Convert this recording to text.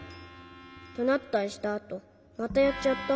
どなったりしたあと「またやっちゃった。